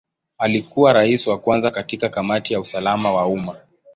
Alikuwa Rais wa kwanza katika Kamati ya usalama wa umma.